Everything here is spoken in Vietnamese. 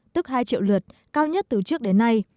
tức hai triệu lượt cao nhất từ trước đến nay